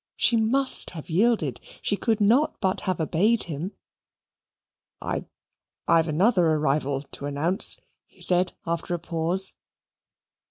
She must have yielded: she could not but have obeyed him. "I I've another arrival to announce," he said after a pause.